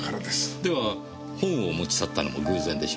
では本を持ち去ったのも偶然でしょうか？